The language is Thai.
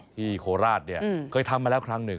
โคราชเนี่ยเคยทำมาแล้วครั้งหนึ่ง